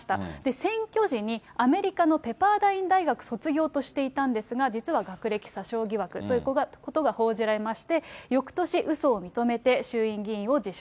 選挙時に、アメリカのペパーダイン大学卒業としていたんですが、実は学歴詐称疑惑ということが報じられまして、よくとし、うそを認めて衆院議員を辞職。